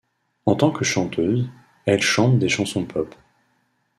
En tant que chanteuse, elle chante des chansons pop.